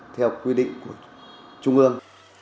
theo quy định của trung ương